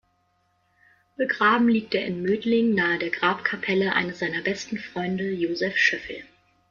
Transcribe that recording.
Begraben liegt er in Mödling nahe der Grabkapelle eines seiner besten Freunde, Josef Schöffel.